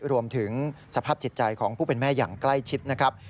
รวมถึงสภาพจิตใจของผู้เป็นแม่อย่างใกล้ชิดนะครับ